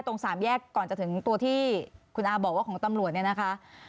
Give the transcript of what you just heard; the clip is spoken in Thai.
ตรงสามแยกก่อนจะถึงตัวที่คุณอาบอกว่าของตำรวจเนี่ยนะคะ